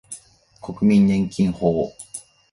国民年金法